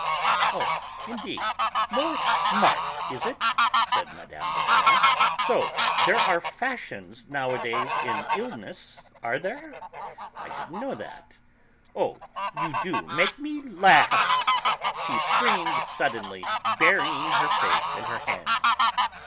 '" "Oh, indeed! More smart, is it?" said Mme. Verdurin. "So there are fashions, nowadays, in illness, are there? I didn't know that.... Oh, you do make me laugh!" she screamed, suddenly, burying her face in her hands.